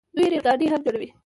دوی ریل ګاډي هم جوړوي.